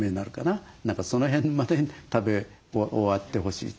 その辺までに食べ終わってほしいと。